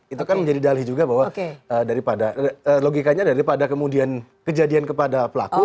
itu kan menjadi dalih juga bahwa logikanya daripada kemudian kejadian kepada pelaku